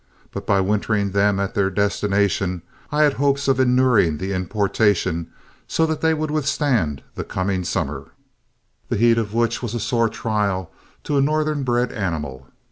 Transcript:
But by wintering them at their destination, I had hopes of inuring the importation so that they would withstand the coming summer, the heat of which was a sore trial to a northern bred animal.